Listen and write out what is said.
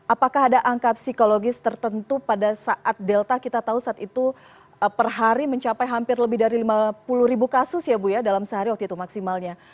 apakah ada angka psikologis tertentu pada saat delta kita tahu saat itu per hari mencapai hampir lebih dari lima puluh ribu kasus ya bu ya dalam sehari waktu itu maksimalnya